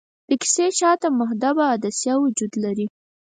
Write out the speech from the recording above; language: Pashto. د کسي شاته محدبه عدسیه وجود لري.